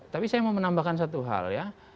tapi saya mau menambahkan satu hal ya